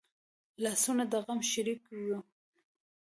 لاسونه د غم شریکه وي